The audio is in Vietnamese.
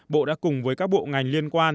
bộ đã cùng với các bộ ngành liên quan